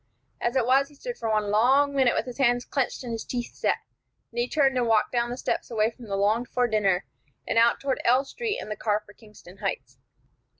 As it was, he stood for one long minute with his hands clenched and his teeth set; then he turned and walked down the steps away from the longed for dinner, and out toward L Street and the car for Kingston Heights.